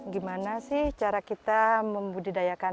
gimana sih cara kita membudidayakan